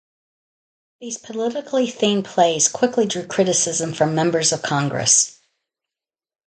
These politically themed plays quickly drew criticism from members of Congress.